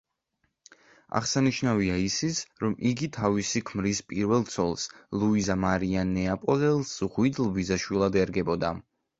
აღსანიშნავია ისიც, რომ იგი თავისი ქმრის პირველ ცოლს, ლუიზა მარია ნეაპოლელს ღვიძლ ბიძაშვილად ერგებოდა.